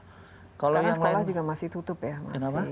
sekolah juga masih tutup ya